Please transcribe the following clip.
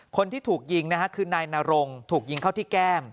คนที่ถูกยิงนะฮะคือนายนรงถูกยิงเข้าที่แก้ม